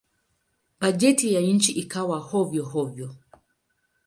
Bajeti ya nchi ikawa hovyo-hovyo.